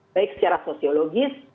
baik secara sosiologis